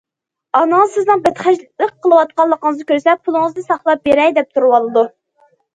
ئانىڭىز سىزنىڭ بەتخەجلىك قىلىۋاتقانلىقىڭىزنى كۆرسە، پۇلىڭىزنى ساقلاپ بېرەي دەپ تۇرۇۋالىدۇ.